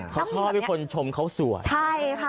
เขาชอบให้คนชมเขาสวยใช่ค่ะ